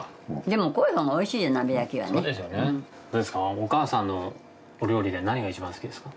お母さんのお料理で何がいちばん好きですか？